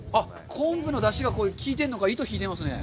昆布のだしがきいているのか、糸引いてますね。